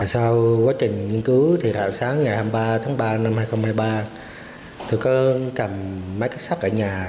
sau quá trình nghiên cứu rạng sáng ngày hai mươi ba tháng ba năm hai nghìn hai mươi ba tôi có cầm máy cắt xác ở nhà